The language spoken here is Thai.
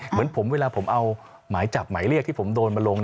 เหมือนผมเวลาผมเอาหมายจับหมายเรียกที่ผมโดนมาลง